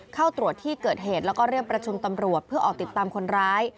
เข้าตรวจที่เกิดเหตุแล้วก็เรียกประชุมตำรวจเพื่อออกติดตามคนร้าย